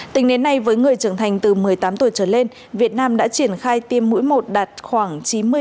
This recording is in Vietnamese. tình nến này với người trưởng thành từ một mươi tám tuổi trở lên việt nam đã triển khai tiêm mũi một đạt khoảng chín mươi bảy